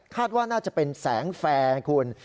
ว่าน่าจะเป็นแสงแฟร์ไงคุณ